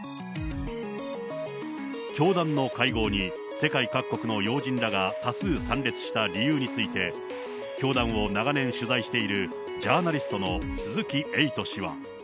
教団の会合に世界各国の要人らが多数参列した理由について、教団を長年取材しているジャーナリストの鈴木エイト氏は。